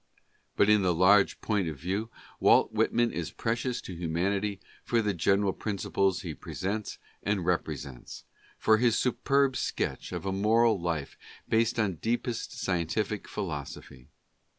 But in the large point of view Walt Whitman is precious to humanity for the general principles he presents and represents — for his superb sketch of a moral life based on deepest scientific philosophy.